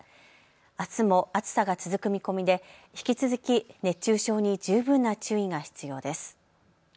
あすも暑さが続く見込みで引き続き、熱中症に十分な注意が必要です。